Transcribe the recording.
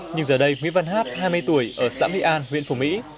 nhưng giờ đây nguyễn văn hát hai mươi tuổi ở xã mỹ an huyện phủ mỹ